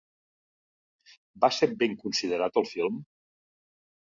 Va ser ben considerat el film?